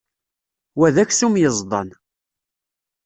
Wa d aksum yeẓdan.